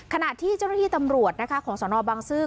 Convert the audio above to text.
ขณะที่เจ้าหน้าที่ตำรวจนะคะของสนบังซื้อ